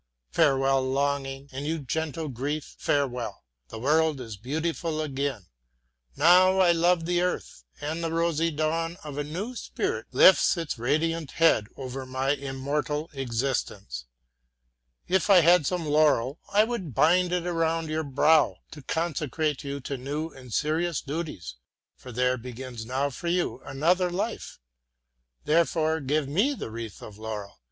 Farewell, Longing, and thou, gentle Grief, farewell; the world is beautiful again. Now I love the earth, and the rosy dawn of a new spring lifts its radiant head over my immortal existence. If I had some laurel, I would bind it around your brow to consecrate you to new and serious duties; for there begins now for you another life. Therefore, give to me the wreath of myrtle.